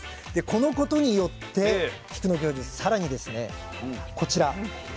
このことによって菊野教授さらにですねこちら。